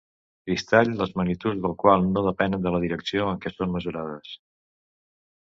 Cristall les magnituds del qual no depenen de la direcció en què són mesurades.